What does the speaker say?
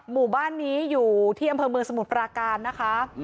หมู่บ้านนี้อยู่ที่อำเภอเมืองสมุทรปราการนะคะ